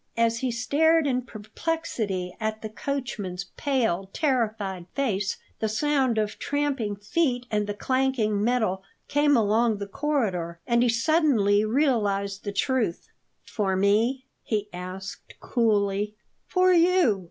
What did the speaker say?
As he stared in perplexity at the coachman's pale, terrified face, the sound of tramping feet and clanking metal came along the corridor, and he suddenly realized the truth. "For me?" he asked coolly. "For you!